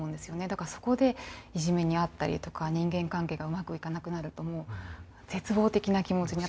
だからそこでいじめに遭ったりとか人間関係がうまくいかなくなるともう絶望的な気持ちに。